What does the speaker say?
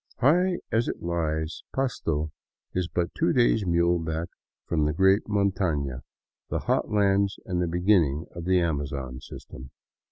High as it lies, Pasto is but two days muleback from the great montana, the hot lands and the beginning of the Amazon system.